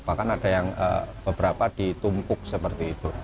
bahkan ada yang beberapa ditumpuk seperti itu